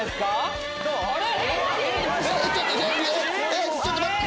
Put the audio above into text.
ちょちょっと待って。